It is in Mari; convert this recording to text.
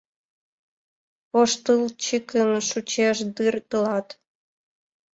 Воштылчыкын чучеш дыр тылат.